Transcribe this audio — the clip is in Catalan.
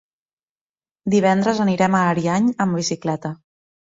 Divendres anirem a Ariany amb bicicleta.